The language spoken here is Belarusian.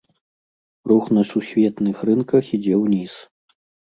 Рух на сусветных рынках ідзе ўніз.